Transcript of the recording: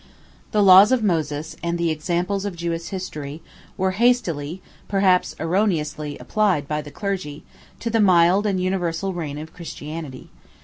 The laws of Moses, and the examples of Jewish history, 1 were hastily, perhaps erroneously, applied, by the clergy, to the mild and universal reign of Christianity.